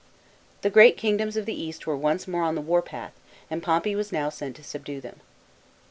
The great kingdoms of the East were once more on the war path, and Pompey was now sent to subdue them.